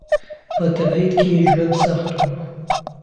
په تبعيد کې ژوند سخت و.